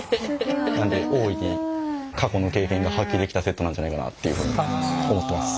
なんで大いに過去の経験が発揮できたセットなんじゃないかなっていうふうに思ってます。